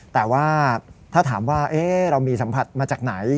แต่ว่าถ้าถามว่าเรามีสัมผัสมาจากไหน